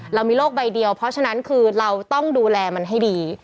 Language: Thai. เรามีโรคใบเดียวเพราะฉะนั้นคือเราต้องดูแลมันให้ดี